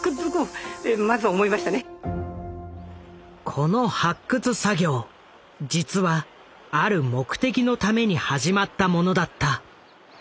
この発掘作業実はある目的のために始まったものだった。